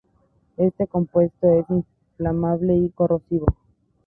Este compuesto es inflamable y corrosivo.